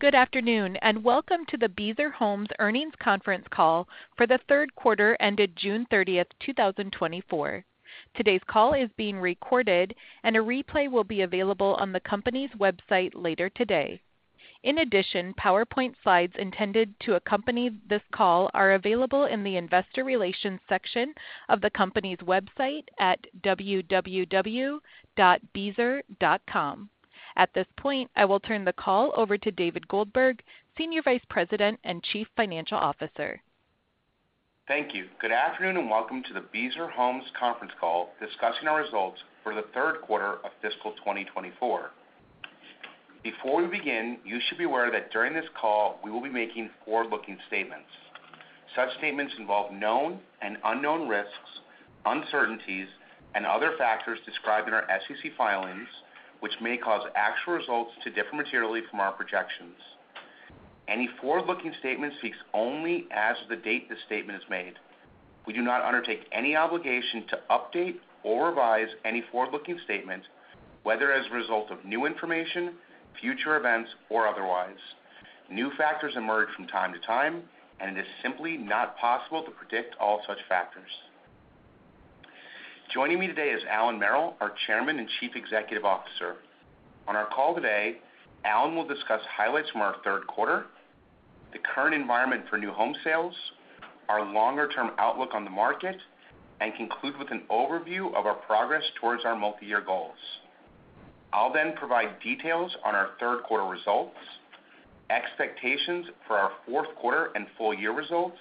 Good afternoon, and welcome to the Beazer Homes Earnings Conference Call for the third quarter ended June 30th, 2024. Today's call is being recorded, and a replay will be available on the company's website later today. In addition, PowerPoint slides intended to accompany this call are available in the investor relations section of the company's website at www.beazer.com. At this point, I will turn the call over to David Goldberg, Senior Vice President and Chief Financial Officer. Thank you. Good afternoon, and welcome to the Beazer Homes conference call discussing our results for the third quarter of fiscal 2024. Before we begin, you should be aware that during this call, we will be making forward-looking statements. Such statements involve known and unknown risks, uncertainties, and other factors described in our SEC filings, which may cause actual results to differ materially from our projections. Any forward-looking statement speaks only as of the date the statement is made. We do not undertake any obligation to update or revise any forward-looking statement, whether as a result of new information, future events, or otherwise. New factors emerge from time to time, and it is simply not possible to predict all such factors. Joining me today is Allan Merrill, our Chairman and Chief Executive Officer. On our call today, Allan will discuss highlights from our third quarter, the current environment for new home sales, our longer-term outlook on the market, and conclude with an overview of our progress towards our multi-year goals. I'll then provide details on our third quarter results, expectations for our fourth quarter and full-year results,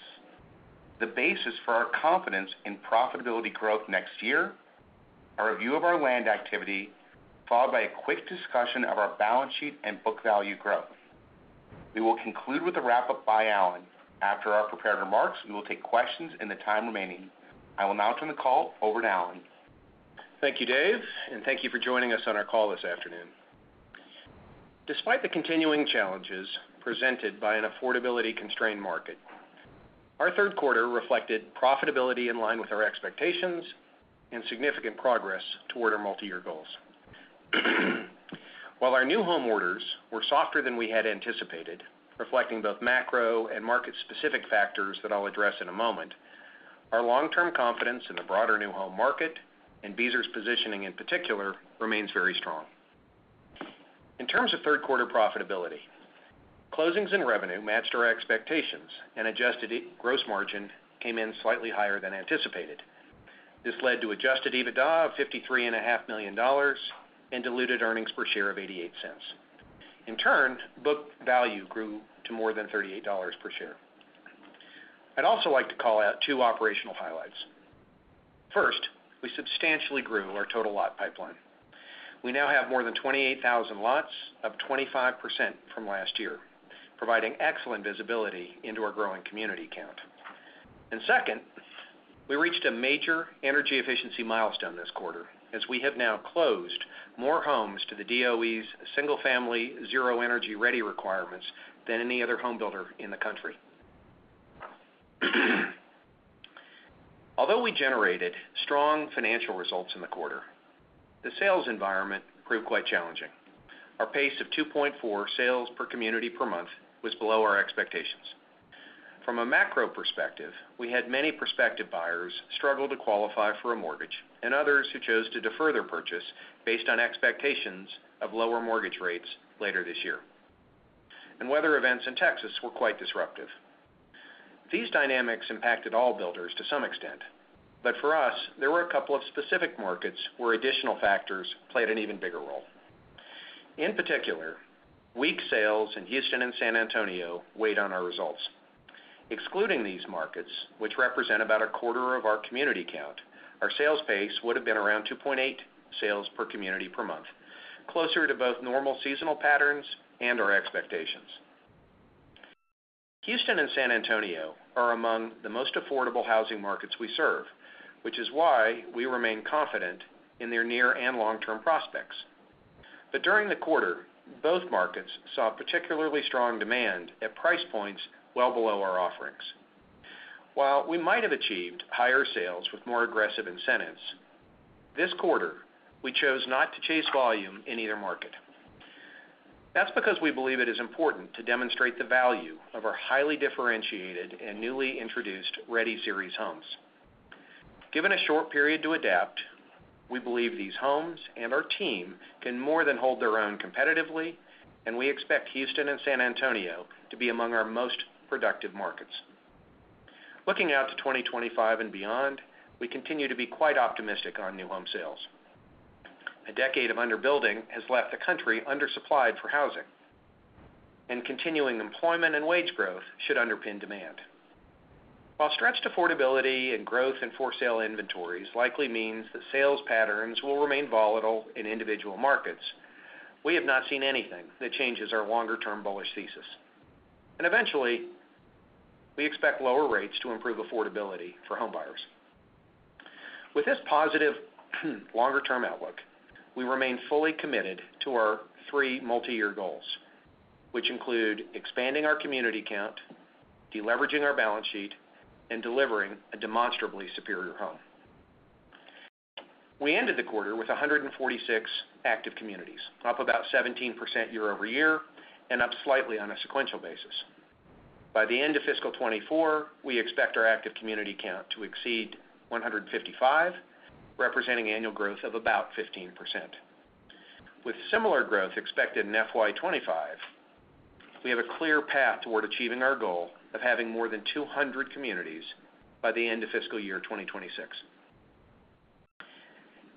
the basis for our confidence in profitability growth next year, a review of our land activity, followed by a quick discussion of our balance sheet and book value growth. We will conclude with a wrap-up by Allan. After our prepared remarks, we will take questions in the time remaining. I will now turn the call over to Allan. Thank you, Dave, and thank you for joining us on our call this afternoon. Despite the continuing challenges presented by an affordability-constrained market, our third quarter reflected profitability in line with our expectations and significant progress toward our multi-year goals. While our new home orders were softer than we had anticipated, reflecting both macro and market-specific factors that I'll address in a moment, our long-term confidence in the broader new home market and Beazer's positioning in particular remains very strong. In terms of third-quarter profitability, closings and revenue matched our expectations, and adjusted gross margin came in slightly higher than anticipated. This led to Adjusted EBITDA of $53.5 million and diluted earnings per share of $0.88. In turn, Book Value grew to more than $38 per share. I'd also like to call out two operational highlights. First, we substantially grew our total lot pipeline. We now have more than 28,000 lots, up 25% from last year, providing excellent visibility into our growing community count. And second, we reached a major energy efficiency milestone this quarter, as we have now closed more homes to the DOE's single-family Zero Energy Ready requirements than any other home builder in the country. Although we generated strong financial results in the quarter, the sales environment proved quite challenging. Our pace of 2.4 sales per community per month was below our expectations. From a macro perspective, we had many prospective buyers struggle to qualify for a mortgage and others who chose to defer their purchase based on expectations of lower mortgage rates later this year, and weather events in Texas were quite disruptive. These dynamics impacted all builders to some extent, but for us, there were a couple of specific markets where additional factors played an even bigger role. In particular, weak sales in Houston and San Antonio weighed on our results. Excluding these markets, which represent about a quarter of our community count, our sales pace would have been around 2.8 sales per community per month, closer to both normal seasonal patterns and our expectations. Houston and San Antonio are among the most affordable housing markets we serve, which is why we remain confident in their near and long-term prospects. But during the quarter, both markets saw particularly strong demand at price points well below our offerings. While we might have achieved higher sales with more aggressive incentives, this quarter, we chose not to chase volume in either market. That's because we believe it is important to demonstrate the value of our highly differentiated and newly introduced Ready Series homes. Given a short period to adapt, we believe these homes and our team can more than hold their own competitively, and we expect Houston and San Antonio to be among our most productive markets. Looking out to 2025 and beyond, we continue to be quite optimistic on new home sales. A decade of underbuilding has left the country undersupplied for housing, and continuing employment and wage growth should underpin demand. While stretched affordability and growth in for-sale inventories likely means that sales patterns will remain volatile in individual markets, we have not seen anything that changes our longer-term bullish thesis. Eventually, we expect lower rates to improve affordability for homebuyers. With this positive longer-term outlook, we remain fully committed to our three multi-year goals, which include expanding our community count, deleveraging our balance sheet, and delivering a demonstrably superior home. We ended the quarter with 146 active communities, up about 17% year-over-year and up slightly on a sequential basis. By the end of fiscal 2024, we expect our active community count to exceed 155, representing annual growth of about 15%. With similar growth expected in FY 2025, we have a clear path toward achieving our goal of having more than 200 communities by the end of fiscal year 2026.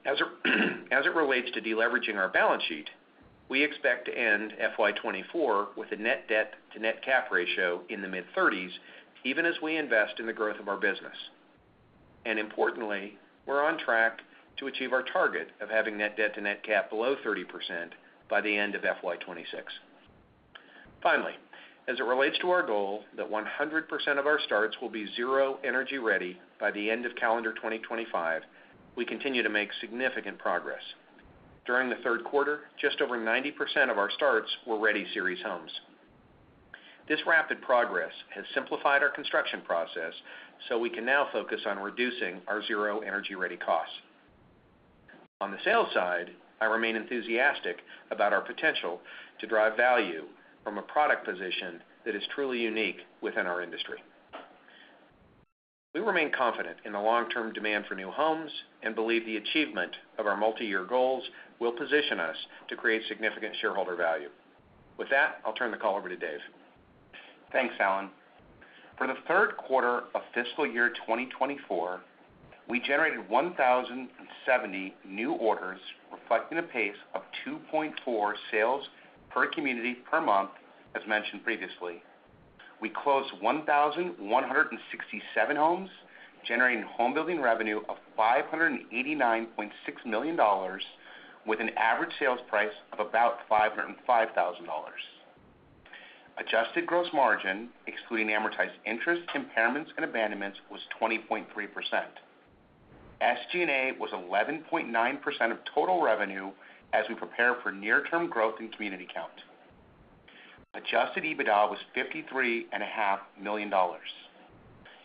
As it relates to deleveraging our balance sheet, we expect to end FY 2024 with a net debt-to-net cap ratio in the mid-30s, even as we invest in the growth of our business. Importantly, we're on track to achieve our target of having net debt-to-net cap below 30% by the end of FY 2026. Finally, as it relates to our goal that 100% of our starts will be Zero Energy Ready by the end of calendar 2025, we continue to make significant progress. During the third quarter, just over 90% of our starts were Ready Series homes. This rapid progress has simplified our construction process, so we can now focus on reducing our Zero Energy Ready costs. On the sales side, I remain enthusiastic about our potential to drive value from a product position that is truly unique within our industry. We remain confident in the long-term demand for new homes and believe the achievement of our multi-year goals will position us to create significant shareholder value. With that, I'll turn the call over to Dave. Thanks, Allan. For the third quarter of fiscal year 2024, we generated 1,070 new orders, reflecting a pace of 2.4 sales per community per month, as mentioned previously. We closed 1,167 homes, generating home-building revenue of $589.6 million with an average sales price of about $505,000. Adjusted gross margin, excluding amortized interest, impairments, and abandonments, was 20.3%. SG&A was 11.9% of total revenue as we prepared for near-term growth in community count. Adjusted EBITDA was $53.5 million.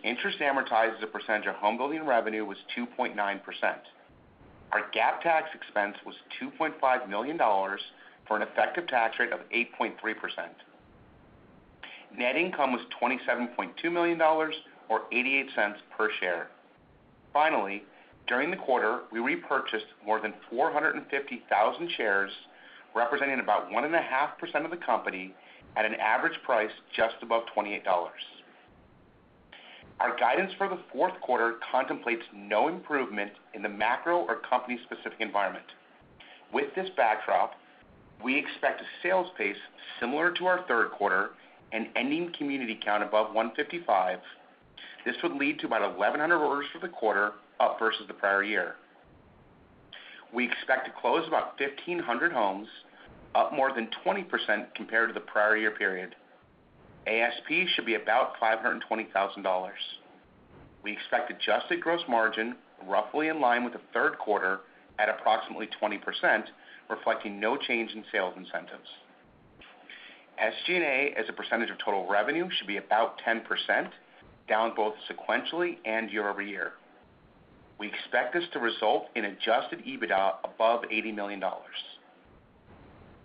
Interest amortized as a percentage of home-building revenue was 2.9%. Our GAAP tax expense was $2.5 million for an effective tax rate of 8.3%. Net income was $27.2 million, or $0.88 per share. Finally, during the quarter, we repurchased more than 450,000 shares, representing about 1.5% of the company at an average price just above $28. Our guidance for the fourth quarter contemplates no improvement in the macro or company-specific environment. With this backdrop, we expect a sales pace similar to our third quarter and ending community count above 155. This would lead to about 1,100 orders for the quarter, up versus the prior year. We expect to close about 1,500 homes, up more than 20% compared to the prior year period. ASP should be about $520,000. We expect adjusted gross margin roughly in line with the third quarter at approximately 20%, reflecting no change in sales incentives. SG&A as a percentage of total revenue should be about 10%, down both sequentially and year-over-year. We expect this to result in adjusted EBITDA above $80 million.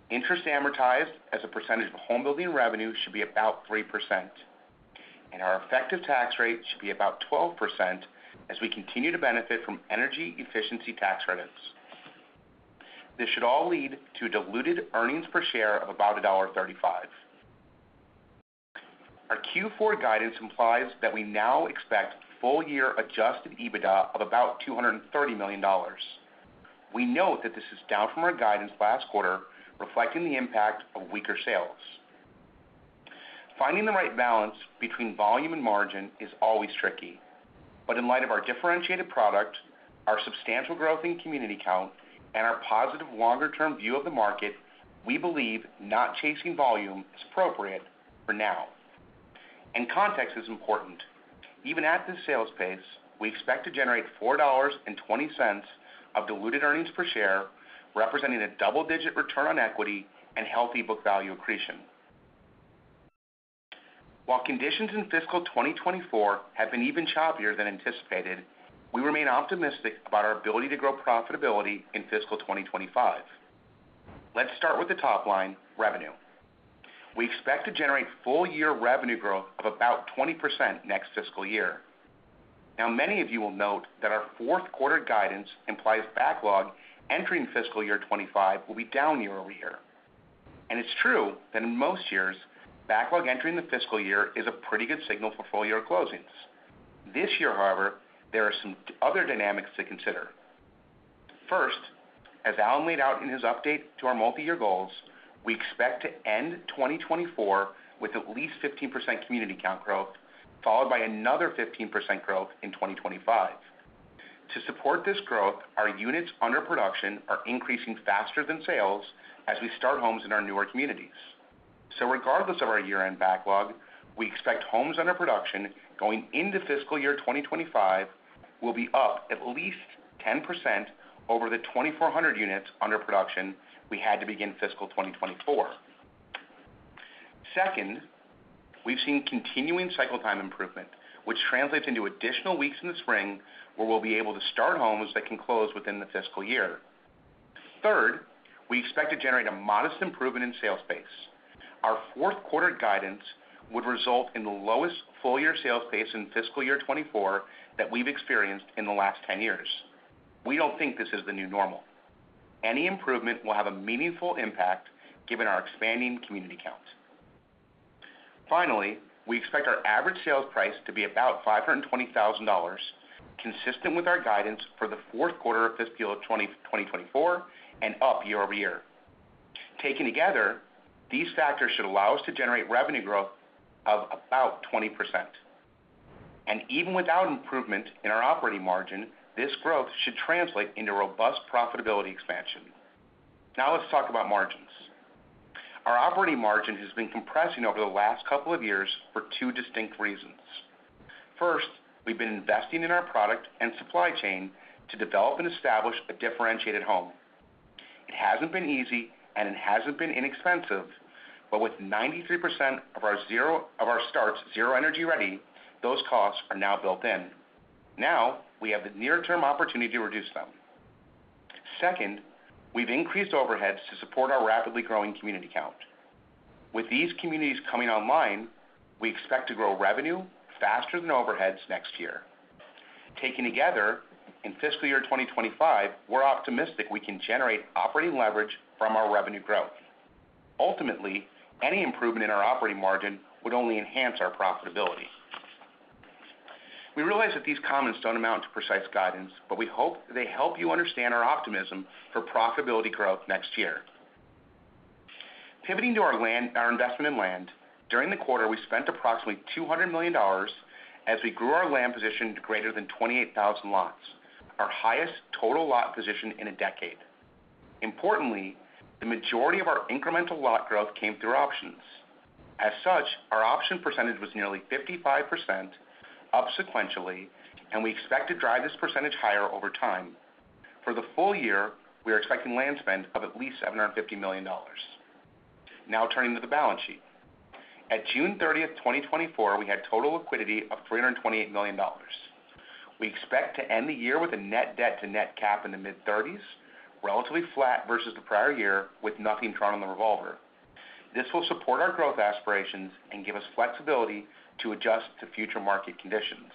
Interest amortized as a percentage of home-building revenue should be about 3%, and our effective tax rate should be about 12% as we continue to benefit from energy efficiency tax credits. This should all lead to diluted earnings per share of about $1.35. Our Q4 guidance implies that we now expect full-year Adjusted EBITDA of about $230 million. We note that this is down from our guidance last quarter, reflecting the impact of weaker sales. Finding the right balance between volume and margin is always tricky, but in light of our differentiated product, our substantial growth in community count, and our positive longer-term view of the market, we believe not chasing volume is appropriate for now. Context is important. Even at this sales pace, we expect to generate $4.20 of diluted earnings per share, representing a double-digit return on equity and healthy book value accretion. While conditions in fiscal 2024 have been even choppier than anticipated, we remain optimistic about our ability to grow profitability in fiscal 2025. Let's start with the top line, revenue. We expect to generate full-year revenue growth of about 20% next fiscal year. Now, many of you will note that our fourth quarter guidance implies backlog entering fiscal year 2025 will be down year-over-year. It's true that in most years, backlog entering the fiscal year is a pretty good signal for full-year closings. This year, however, there are some other dynamics to consider. First, as Allan laid out in his update to our multi-year goals, we expect to end 2024 with at least 15% community count growth, followed by another 15% growth in 2025. To support this growth, our units under production are increasing faster than sales as we start homes in our newer communities. Regardless of our year-end backlog, we expect homes under production going into fiscal year 2025 will be up at least 10% over the 2,400 units under production we had to begin fiscal 2024. Second, we've seen continuing cycle time improvement, which translates into additional weeks in the spring where we'll be able to start homes that can close within the fiscal year. Third, we expect to generate a modest improvement in sales pace. Our fourth quarter guidance would result in the lowest full-year sales pace in fiscal year 2024 that we've experienced in the last 10 years. We don't think this is the new normal. Any improvement will have a meaningful impact given our expanding community count. Finally, we expect our average sales price to be about $520,000, consistent with our guidance for the fourth quarter of fiscal year 2024 and up year-over-year. Taken together, these factors should allow us to generate revenue growth of about 20%. And even without improvement in our operating margin, this growth should translate into robust profitability expansion. Now let's talk about margins. Our operating margin has been compressing over the last couple of years for two distinct reasons. First, we've been investing in our product and supply chain to develop and establish a differentiated home. It hasn't been easy, and it hasn't been inexpensive, but with 93% of our starts Zero Energy Ready, those costs are now built in. Now we have the near-term opportunity to reduce them. Second, we've increased overheads to support our rapidly growing community count. With these communities coming online, we expect to grow revenue faster than overheads next year. Taken together, in fiscal year 2025, we're optimistic we can generate operating leverage from our revenue growth. Ultimately, any improvement in our operating margin would only enhance our profitability. We realize that these comments don't amount to precise guidance, but we hope they help you understand our optimism for profitability growth next year. Pivoting to our investment in land, during the quarter, we spent approximately $200 million as we grew our land position to greater than 28,000 lots, our highest total lot position in a decade. Importantly, the majority of our incremental lot growth came through options. As such, our option percentage was nearly 55% up sequentially, and we expect to drive this percentage higher over time. For the full year, we are expecting land spend of at least $750 million. Now turning to the balance sheet. At June 30, 2024, we had total liquidity of $328 million. We expect to end the year with a net debt-to-net cap in the mid-30s, relatively flat versus the prior year with nothing drawn on the revolver. This will support our growth aspirations and give us flexibility to adjust to future market conditions.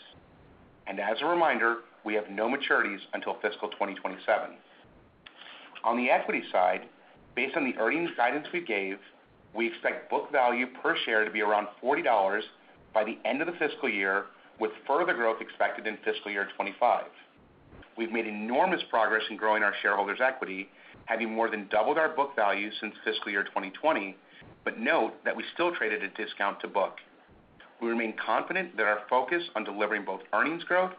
As a reminder, we have no maturities until fiscal 2027. On the equity side, based on the earnings guidance we gave, we expect book value per share to be around $40 by the end of the fiscal year, with further growth expected in fiscal year 2025. We've made enormous progress in growing our shareholders' equity, having more than doubled our book value since fiscal year 2020, but note that we still traded at discount to book. We remain confident that our focus on delivering both earnings growth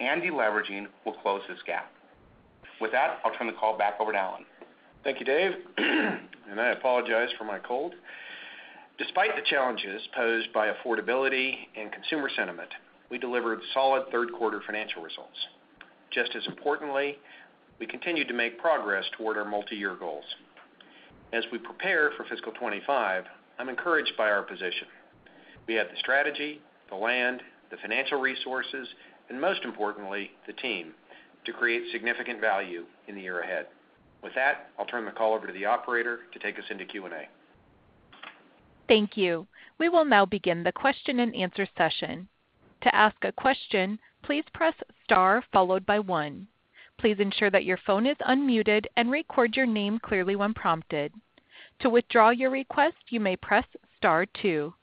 and deleveraging will close this gap. With that, I'll turn the call back over to Allan. Thank you, Dave. I apologize for my cold. Despite the challenges posed by affordability and consumer sentiment, we delivered solid third-quarter financial results. Just as importantly, we continued to make progress toward our multi-year goals. As we prepare for fiscal 2025, I'm encouraged by our position. We have the strategy, the land, the financial resources, and most importantly, the team to create significant value in the year ahead. With that, I'll turn the call over to the operator to take us into Q&A. Thank you. We will now begin the question-and-answer session. To ask a question, please press star followed by one. Please ensure that your phone is unmuted and record your name clearly when prompted. To withdraw your request, you may press star two.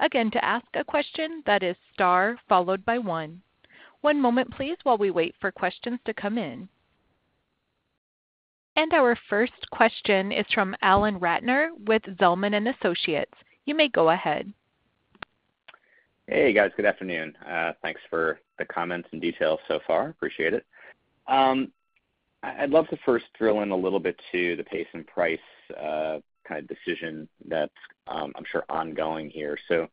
Again, to ask a question, that is star followed by one. One moment, please, while we wait for questions to come in. Our first question is from Alan Ratner with Zelman & Associates. You may go ahead. Hey, guys. Good afternoon. Thanks for the comments and details so far. Appreciate it. I'd love to first drill in a little bit to the pace and price kind of decision that's, I'm sure, ongoing here. So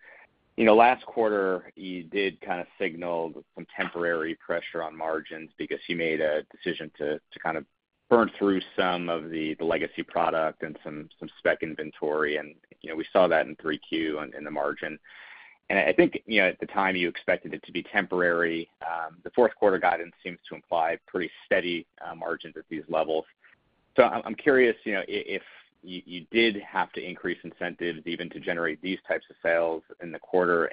last quarter, you did kind of signal some temporary pressure on margins because you made a decision to kind of burn through some of the legacy product and some spec inventory. And we saw that in 3Q and in the margin. And I think at the time, you expected it to be temporary. The fourth quarter guidance seems to imply pretty steady margins at these levels. So I'm curious if you did have to increase incentives even to generate these types of sales in the quarter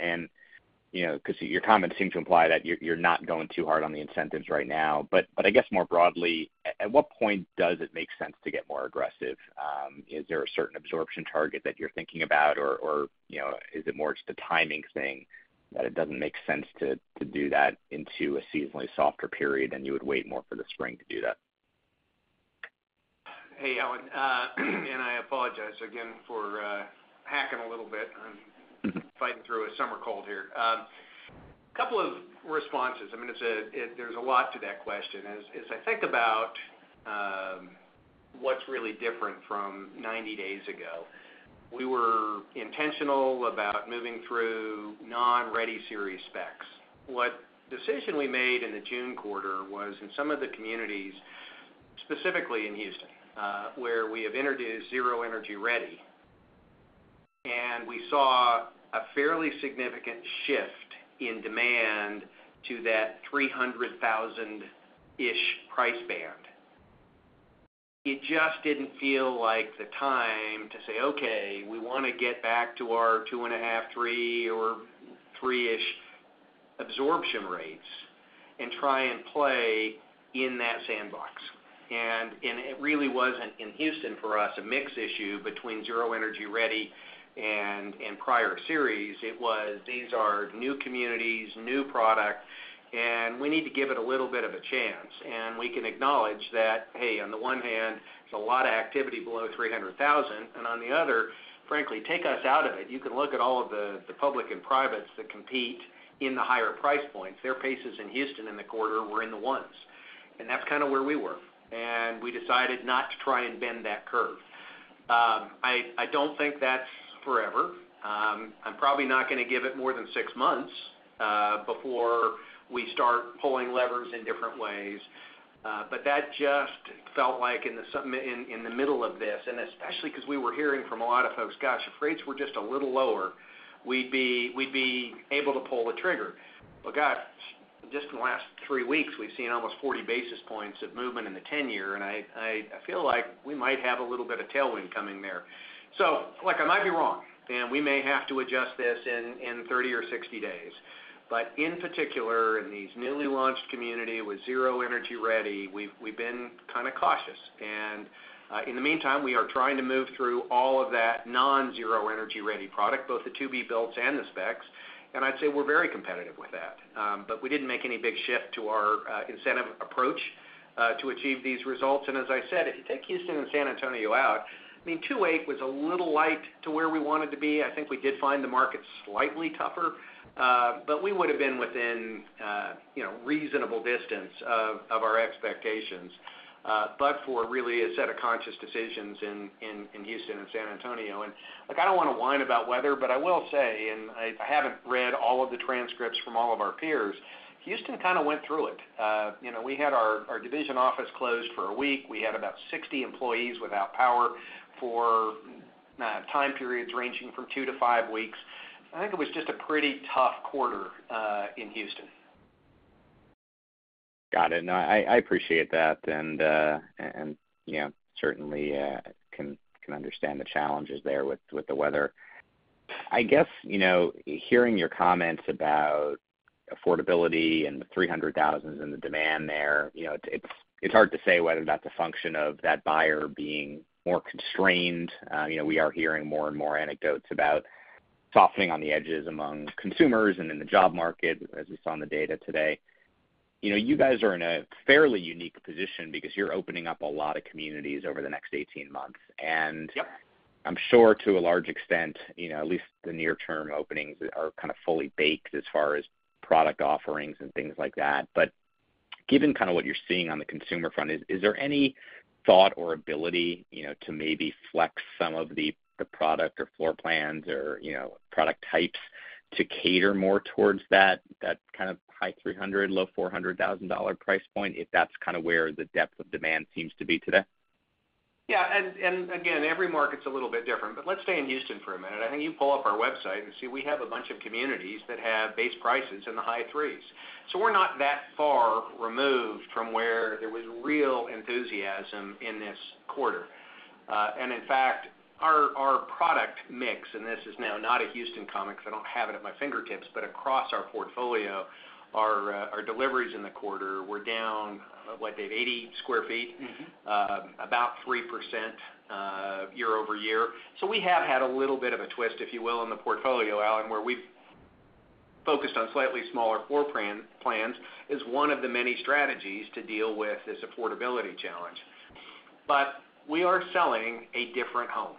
because your comments seem to imply that you're not going too hard on the incentives right now. But I guess more broadly, at what point does it make sense to get more aggressive? Is there a certain absorption target that you're thinking about, or is it more just a timing thing that it doesn't make sense to do that into a seasonally softer period and you would wait more for the spring to do that? Hey, Alan. I apologize again for hacking a little bit. I'm fighting through a summer cold here. A couple of responses. I mean, there's a lot to that question. As I think about what's really different from 90 days ago, we were intentional about moving through non-Ready Series specs. What decision we made in the June quarter was in some of the communities, specifically in Houston, where we have introduced Zero Energy Ready. And we saw a fairly significant shift in demand to that $300,000-ish price band. It just didn't feel like the time to say, "Okay, we want to get back to our 2.5, 3, or 3-ish absorption rates and try and play in that sandbox." And it really wasn't, in Houston for us, a mix issue between Zero Energy Ready and prior series. It was, "These are new communities, new product, and we need to give it a little bit of a chance." And we can acknowledge that, hey, on the one hand, there's a lot of activity below $300,000, and on the other, frankly, take us out of it. You can look at all of the public and privates that compete in the higher price points. Their paces in Houston in the quarter were in the ones. And that's kind of where we were. And we decided not to try and bend that curve. I don't think that's forever. I'm probably not going to give it more than six months before we start pulling levers in different ways. But that just felt like in the middle of this, and especially because we were hearing from a lot of folks, "Gosh, if rates were just a little lower, we'd be able to pull the trigger." But gosh, just in the last three weeks, we've seen almost 40 basis points of movement in the 10-year, and I feel like we might have a little bit of tailwind coming there. So I might be wrong, and we may have to adjust this in 30 or 60 days. But in particular, in these newly launched community with Zero Energy Ready, we've been kind of cautious. And in the meantime, we are trying to move through all of that non-Zero Energy Ready product, both the to-be-builts and the specs. And I'd say we're very competitive with that. But we didn't make any big shift to our incentive approach to achieve these results. And as I said, if you take Houston and San Antonio out, I mean, 28 was a little light to where we wanted to be. I think we did find the market slightly tougher, but we would have been within reasonable distance of our expectations, but for really a set of conscious decisions in Houston and San Antonio. And I don't want to whine about weather, but I will say, and I haven't read all of the transcripts from all of our peers, Houston kind of went through it. We had our division office closed for a week. We had about 60 employees without power for time periods ranging from 2-5 weeks. I think it was just a pretty tough quarter in Houston. Got it. No, I appreciate that. And certainly can understand the challenges there with the weather. I guess hearing your comments about affordability and the $300,000s and the demand there, it's hard to say whether that's a function of that buyer being more constrained. We are hearing more and more anecdotes about softening on the edges among consumers and in the job market, as we saw in the data today. You guys are in a fairly unique position because you're opening up a lot of communities over the next 18 months. And I'm sure to a large extent, at least the near-term openings are kind of fully baked as far as product offerings and things like that. Given kind of what you're seeing on the consumer front, is there any thought or ability to maybe flex some of the product or floor plans or product types to cater more towards that kind of high $300,000, low $400,000 price point if that's kind of where the depth of demand seems to be today? Yeah. And again, every market's a little bit different. But let's stay in Houston for a minute. I think you pull up our website and see we have a bunch of communities that have base prices in the high threes. So we're not that far removed from where there was real enthusiasm in this quarter. And in fact, our product mix, and this is now not a Houston comment because I don't have it at my fingertips, but across our portfolio, our deliveries in the quarter were down, what, Dave, 80 sq ft, about 3% year-over-year. So we have had a little bit of a twist, if you will, in the portfolio, Allan, where we've focused on slightly smaller floor plans as one of the many strategies to deal with this affordability challenge. But we are selling a different home.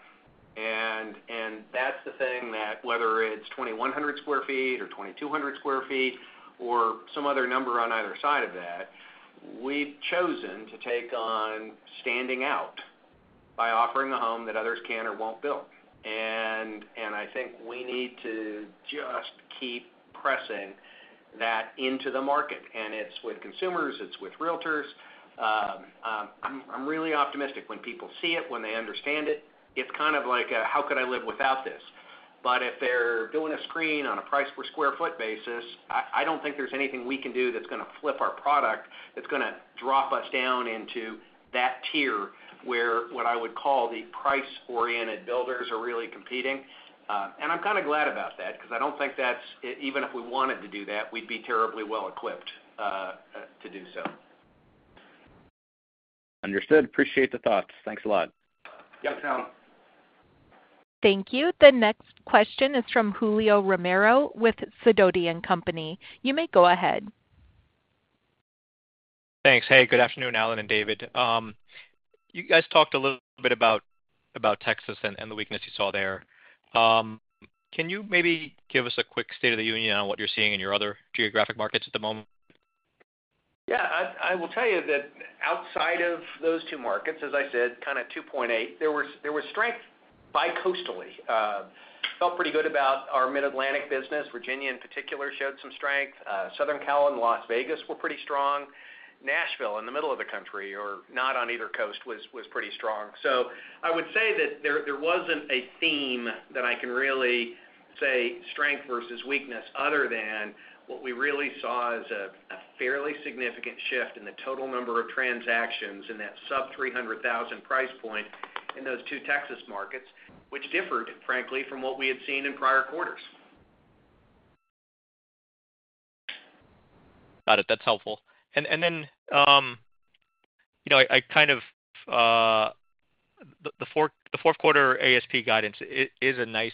That's the thing that whether it's 2,100 sq ft or 2,200 sq ft or some other number on either side of that, we've chosen to take on standing out by offering a home that others can or won't build. I think we need to just keep pressing that into the market. It's with consumers. It's with realtors. I'm really optimistic when people see it, when they understand it. It's kind of like, "How could I live without this?" But if they're doing a screen on a price per square foot basis, I don't think there's anything we can do that's going to flip our product, that's going to drop us down into that tier where what I would call the price-oriented builders are really competing. I'm kind of glad about that because I don't think that's even if we wanted to do that, we'd be terribly well-equipped to do so. Understood. Appreciate the thoughts. Thanks a lot. Yep, sound. Thank you. The next question is from Julio Romero with Sidoti & Company. You may go ahead. Thanks. Hey, good afternoon, Allan and David. You guys talked a little bit about Texas and the weakness you saw there. Can you maybe give us a quick state of the union on what you're seeing in your other geographic markets at the moment? Yeah. I will tell you that outside of those two markets, as I said, kind of 2.8, there was strength bicoastally. Felt pretty good about our Mid-Atlantic business. Virginia, in particular, showed some strength. Southern Cal and Las Vegas were pretty strong. Nashville in the middle of the country, or not on either coast, was pretty strong. So I would say that there wasn't a theme that I can really say strength versus weakness other than what we really saw as a fairly significant shift in the total number of transactions in that sub-$300,000 price point in those two Texas markets, which differed, frankly, from what we had seen in prior quarters. Got it. That's helpful. And then I kind of the fourth quarter ASP guidance is a nice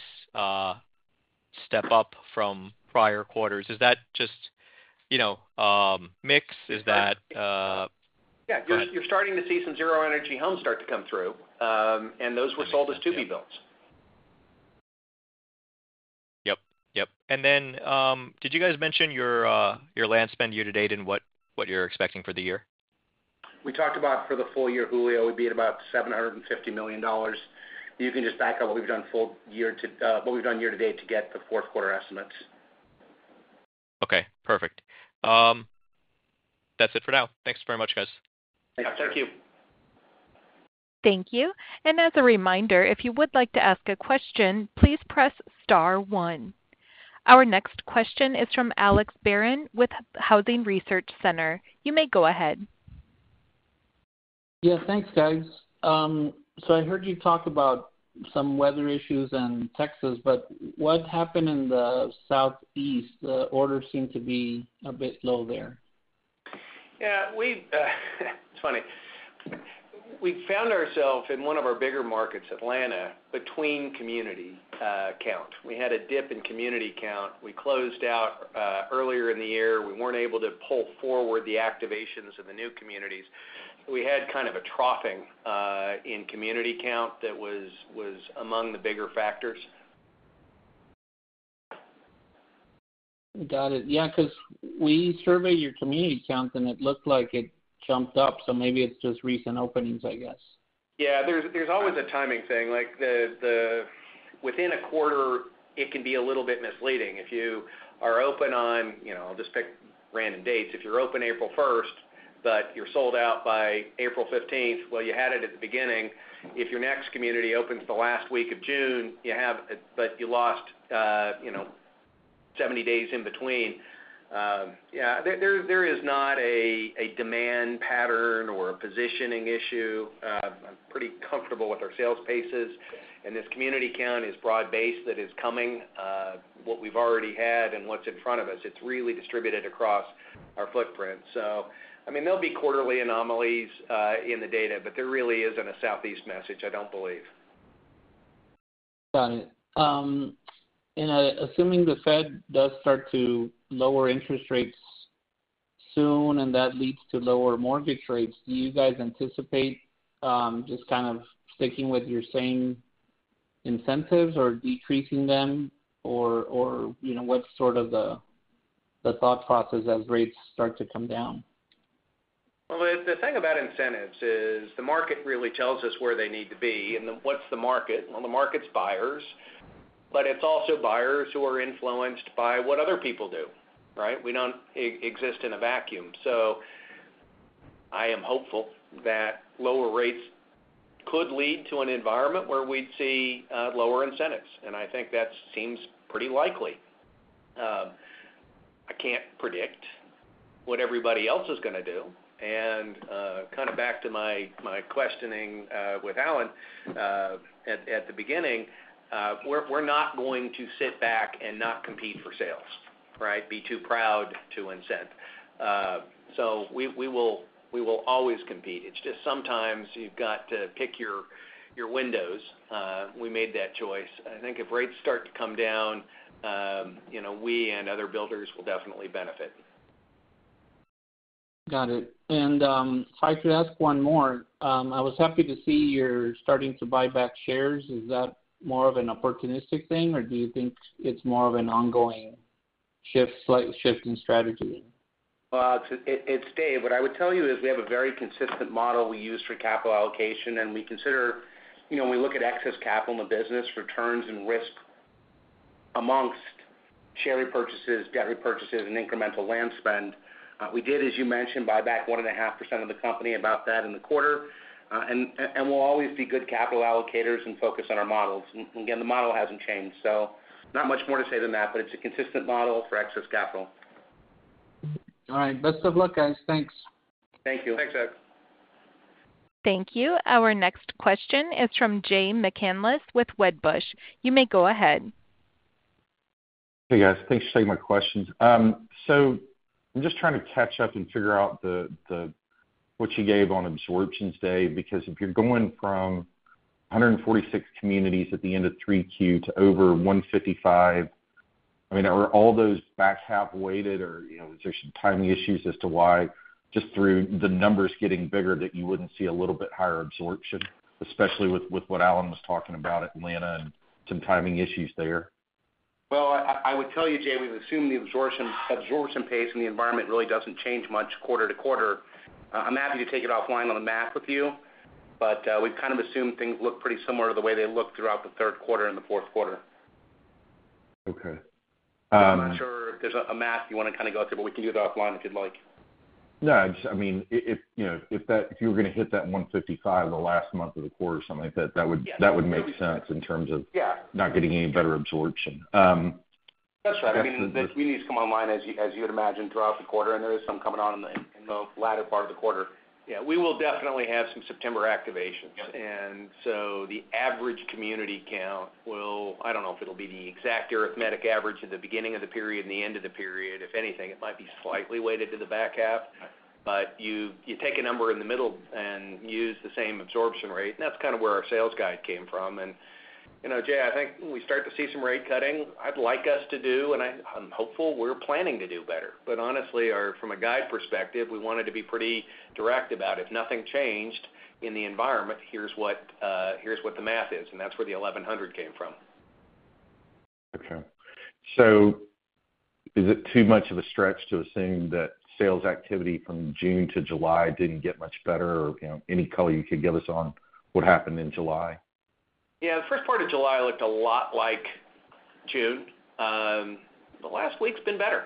step up from prior quarters. Is that just mix? Is that? Yeah. You're starting to see some zero-energy homes start to come through. Those were sold as to-be-builts. Yep. Yep. And then did you guys mention your land spend year-to-date and what you're expecting for the year? We talked about for the full year, Julio, we'd be at about $750 million. You can just back up what we've done full year to what we've done year-to-date to get the fourth quarter estimates. Okay. Perfect. That's it for now. Thanks very much, guys. Thanks. Thank you. Thank you. As a reminder, if you would like to ask a question, please press star one. Our next question is from Alex Barron with Housing Research Center. You may go ahead. Yeah. Thanks, guys. So I heard you talk about some weather issues in Texas, but what happened in the Southeast? The order seemed to be a bit low there. Yeah. It's funny. We found ourselves in one of our bigger markets, Atlanta, between community count. We had a dip in community count. We closed out earlier in the year. We weren't able to pull forward the activations of the new communities. We had kind of a troughing in community count that was among the bigger factors. Got it. Yeah. Because we surveyed your community count, and it looked like it jumped up. So maybe it's just recent openings, I guess. Yeah. There's always a timing thing. Within a quarter, it can be a little bit misleading. If you are open on. I'll just pick random dates. If you're open April 1st, but you're sold out by April 15th, well, you had it at the beginning. If your next community opens the last week of June, you have, but you lost 70 days in between. Yeah. There is not a demand pattern or a positioning issue. I'm pretty comfortable with our sales paces. And this community count is broad-based that is coming. What we've already had and what's in front of us, it's really distributed across our footprint. So I mean, there'll be quarterly anomalies in the data, but there really isn't a Southeast message, I don't believe. Got it. Assuming the Fed does start to lower interest rates soon and that leads to lower mortgage rates, do you guys anticipate just kind of sticking with your same incentives or decreasing them? Or what's sort of the thought process as rates start to come down? Well, the thing about incentives is the market really tells us where they need to be. And what's the market? Well, the market's buyers. But it's also buyers who are influenced by what other people do, right? We don't exist in a vacuum. So I am hopeful that lower rates could lead to an environment where we'd see lower incentives. And I think that seems pretty likely. I can't predict what everybody else is going to do. And kind of back to my questioning with Allan at the beginning, we're not going to sit back and not compete for sales, right? Be too proud to incent. So we will always compete. It's just sometimes you've got to pick your windows. We made that choice. I think if rates start to come down, we and other builders will definitely benefit. Got it. And if I could ask one more, I was happy to see you're starting to buy back shares. Is that more of an opportunistic thing, or do you think it's more of an ongoing shift, slight shift in strategy? It's Dave. What I would tell you is we have a very consistent model we use for capital allocation. We consider when we look at excess capital in the business, returns and risk amongst share repurchases, debt repurchases, and incremental land spend. We did, as you mentioned, buy back 1.5% of the company, about that in the quarter. We'll always be good capital allocators and focus on our models. Again, the model hasn't changed. Not much more to say than that, but it's a consistent model for excess capital. All right. Best of luck, guys. Thanks. Thank you. Thanks, Doug. Thank you. Our next question is from Jay McCanless with Wedbush. You may go ahead. Hey, guys. Thanks for taking my questions. So I'm just trying to catch up and figure out what you gave on absorptions, Dave, because if you're going from 146 communities at the end of 3Q to over 155, I mean, are all those back half weighted or is there some timing issues as to why just through the numbers getting bigger that you wouldn't see a little bit higher absorption, especially with what Allan was talking about, Atlanta, and some timing issues there? Well, I would tell you, Jay, we've assumed the absorption pace and the environment really doesn't change much quarter-to-quarter. I'm happy to take it offline on the math with you, but we've kind of assumed things look pretty similar to the way they looked throughout the third quarter and the fourth quarter. Okay. I'm not sure if there's a math you want to kind of go through, but we can do that offline if you'd like. No. I mean, if you were going to hit that 155 in the last month of the quarter or something like that, that would make sense in terms of not getting any better absorption. That's right. I mean, communities come online, as you would imagine, throughout the quarter, and there is some coming on in the latter part of the quarter. Yeah. We will definitely have some September activations. And so the average community count will, I don't know, if it'll be the exact arithmetic average at the beginning of the period and the end of the period. If anything, it might be slightly weighted to the back half. But you take a number in the middle and use the same absorption rate. And that's kind of where our sales guide came from. And Jay, I think when we start to see some rate cutting, I'd like us to do, and I'm hopeful we're planning to do better. But honestly, from a guide perspective, we wanted to be pretty direct about it. If nothing changed in the environment, here's what the math is. That's where the 1,100 came from. Okay. Is it too much of a stretch to assume that sales activity from June to July didn't get much better? Or any color you could give us on what happened in July? Yeah. The first part of July looked a lot like June. The last week's been better.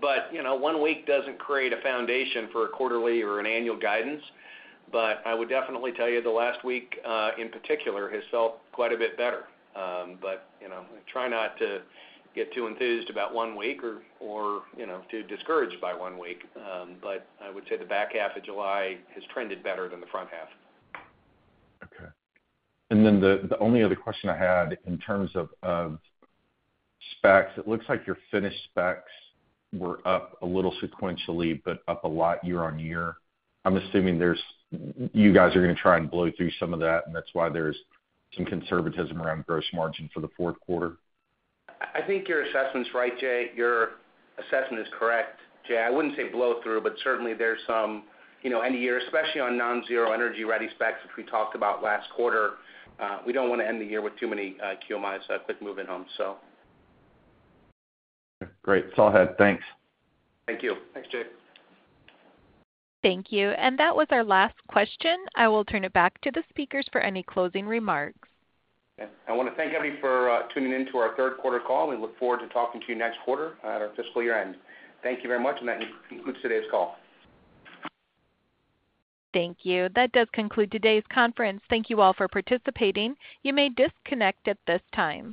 One week doesn't create a foundation for a quarterly or an annual guidance. I would definitely tell you the last week in particular has felt quite a bit better. Try not to get too enthused about one week or too discouraged by one week. I would say the back half of July has trended better than the front half. Okay. And then the only other question I had in terms of specs, it looks like your finished specs were up a little sequentially, but up a lot year-over-year. I'm assuming you guys are going to try and blow through some of that, and that's why there's some conservatism around gross margin for the fourth quarter. I think your assessment's right, Jay. Your assessment is correct, Jay. I wouldn't say blow through, but certainly there's some end of year, especially on non-Zero Energy Ready specs, which we talked about last quarter. We don't want to end the year with too many QMIs, quick move-in homes, so. Okay. Great. That's all I had. Thanks. Thank you. Thanks, Jay. Thank you. That was our last question. I will turn it back to the speakers for any closing remarks. Okay. I want to thank everyone for tuning into our third quarter call. We look forward to talking to you next quarter at our fiscal year end. Thank you very much, and that concludes today's call. Thank you. That does conclude today's conference. Thank you all for participating. You may disconnect at this time.